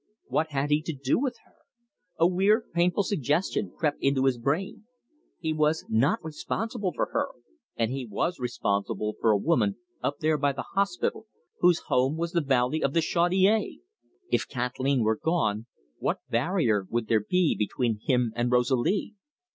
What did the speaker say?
What had he to do with her? A weird, painful suggestion crept into his brain: he was not responsible for her, and he was responsible for a woman up there by the hospital, whose home was the valley of the Chaudiere! If Kathleen were gone, what barrier would there be between him and Rosalie?